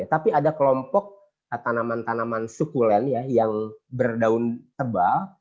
tapi ada kelompok tanaman tanaman sukulen yang berdaun tebal